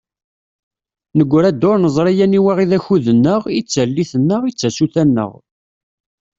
Negra-d ur neẓri aniwa i d akud-nneɣ, i d tallit-nneɣ, i d tasuta-nneɣ.